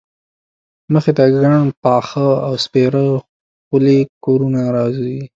مخې ته ګڼ پاخه او سپېره خولي کورونه راوځي.